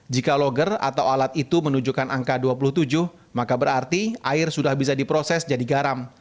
jika logger atau alat itu menunjukkan angka dua puluh tujuh maka berarti air sudah bisa diproses jadi garam